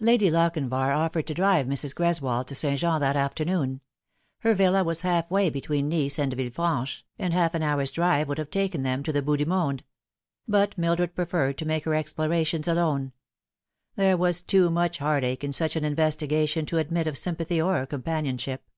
LADY LOCHINVAR offered to drive Mrs. Greswold to St. Jean that afternoon. Her villa was half way between Nice and Villefranche, and half an hour's drive would have taken them to the Bout du Monde ; but Mildred preferred to make her ex plorations alone. There was too much heart ache in such an investigation to admit of sympathy or companionship.